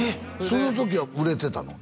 その時は売れてたの？